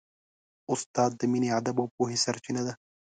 استاد د مینې، ادب او پوهې سرچینه ده.